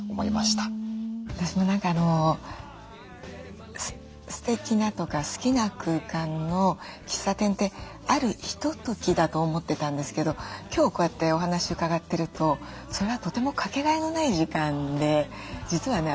私も何かすてきなとか好きな空間の喫茶店ってあるひとときだと思ってたんですけど今日こうやってお話伺ってるとそれはとてもかけがえのない時間で実はね